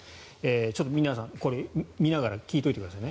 ちょっと皆さんこれを見ながら聞いておいてくださいね。